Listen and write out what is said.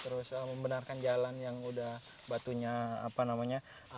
terus membenarkan jalan yang udah batunya apa namanya